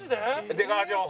出川情報。